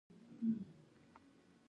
قلم ولې د تورې نه تېز دی؟